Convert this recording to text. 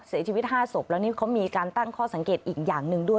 เสียชีวิต๕ศพแล้วนี่เขามีการตั้งข้อสังเกตอีกอย่างหนึ่งด้วย